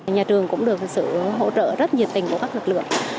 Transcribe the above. nhà trường cũng được sự hỗ trợ rất nhiệt tình của các lực lượng